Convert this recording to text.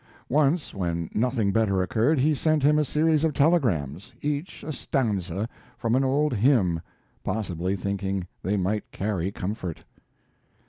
Once, when nothing better occurred, he sent him a series of telegrams, each a stanza from an old hymn, possibly thinking they might carry comfort.